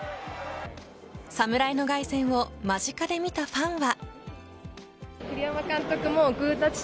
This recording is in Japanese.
侍の凱旋を間近で見たファンは。